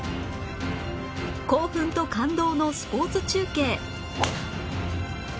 興奮と感動のスポーツ中継